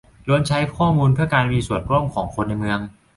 ล้วนใช้ข้อมูลเพื่อการมีส่วนร่วมของคนในเมือง